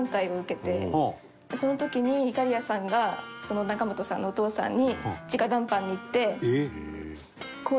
その時にいかりやさんが仲本さんのお父さんに直談判に行って。